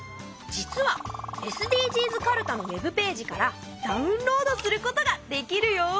実はＳＤＧｓかるたのウェブページからダウンロードすることができるよ。